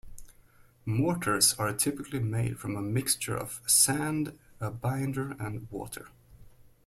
Mortars are typically made from a mixture of sand, a binder, and water.